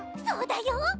そうだよ！